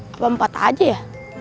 apalagi empat ya